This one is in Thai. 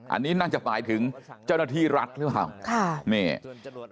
อันนี้น่าจะหมายถึงเจ้าหน้าที่รัฐหรือเปล่าค่ะนี่